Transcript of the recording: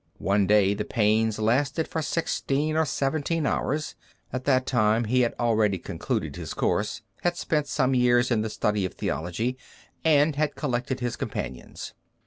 One day the pains lasted for sixteen or seventeen hours. At that time he had already concluded his course, had spent some years in the study of theology, and had collected his companions.